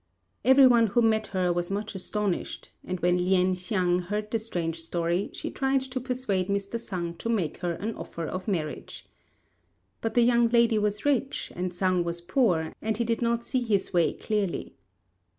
Every one who met her was much astonished; and when Lien hsiang heard the strange story, she tried to persuade Mr. Sang to make her an offer of marriage. But the young lady was rich and Sang was poor, and he did not see his way clearly.